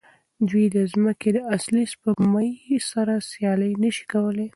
دوی د ځمکې د اصلي سپوږمۍ سره سیالي نه شي کولی.